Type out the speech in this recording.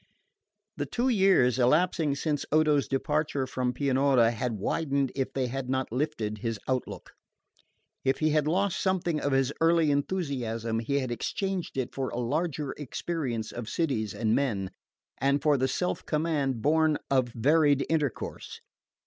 The two years elapsing since Odo's departure from Pianura had widened if they had not lifted his outlook. If he had lost something of his early enthusiasm he had exchanged it for a larger experience of cities and men, and for the self command born of varied intercourse.